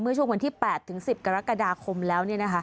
เมื่อช่วงวันที่๘๑๐กรกฎาคมแล้ว